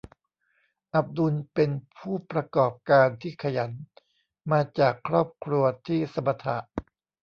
อับดุลเป็นผู้ประกอบการที่ขยัน มาจากครอบครัวที่สมถะ